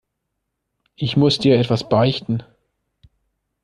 Ich muss dir etwas beichten.